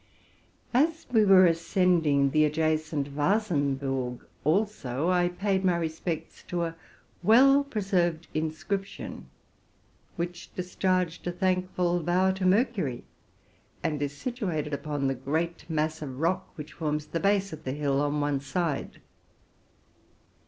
As we were ascending the adjacent Wasenburg also, I paid my respects to a well preserved inscription, which dis charged a thankful vow to Mercury, and is situated upon the erent mass of rock which forms the base of the hill on ne side.